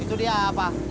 itu dia apa